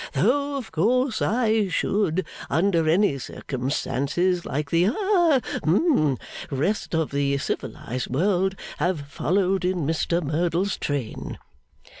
Though of course I should, under any circumstances, like the ha, hum rest of the civilised world, have followed in Mr Merdle's train.